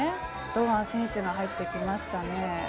堂安選手が入ってきましたね。